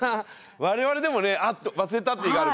我々でもねあっ忘れたって日があるから。